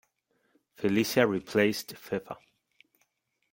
Felicia replaced Fefa.